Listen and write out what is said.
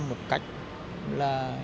một cách là